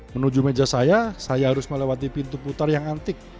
menuju meja saya saya harus melewati pintu putar yang antik